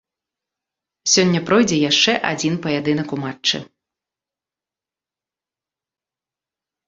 Сёння пройдзе яшчэ адзін паядынак у матчы.